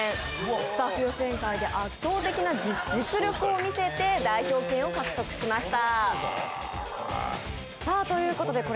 スタッフ予選会で圧倒的な実力を見せて代表権を勝ち取りました。